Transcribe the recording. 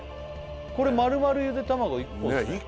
これ丸々ゆで卵１個ですねね